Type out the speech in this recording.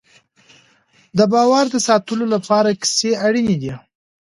د باور د ساتلو لپاره کیسې اړینې دي.